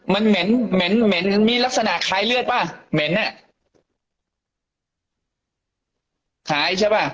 มันเหม็นมีลักษณะคลายเลือดป่ะ